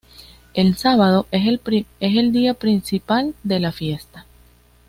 El sábado es el día principal de la fiesta.